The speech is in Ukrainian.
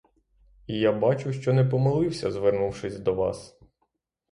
І я бачу, що не помилився, звернувшись до вас.